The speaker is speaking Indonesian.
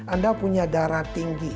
anda punya darah tinggi